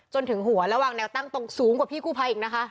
จนถึงหัวและวางแนวตั้งตรงสูงกว่าพี่กู้ภัยอีกนะคะ